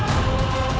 aku mau makan